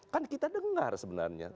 kan kita dengar sebenarnya